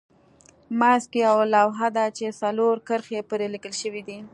منځ کې یوه لوحه ده چې څلور کرښې پرې لیکل شوې دي.